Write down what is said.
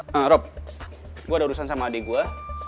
nah rob gue ada urusan sama adik gue